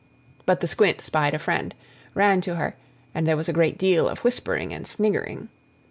But the squint spied a friend, ran to her, and there was a great deal of whispering and sniggering.